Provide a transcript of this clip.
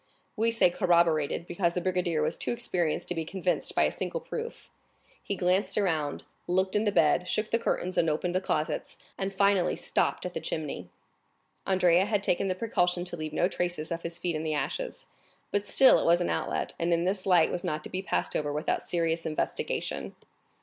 We say corroborated, because the brigadier was too experienced to be convinced by a single proof. He glanced around, looked in the bed, shook the curtains, opened the closets, and finally stopped at the chimney. Andrea had taken the precaution to leave no traces of his feet in the ashes, but still it was an outlet, and in this light was not to be passed over without serious investigation.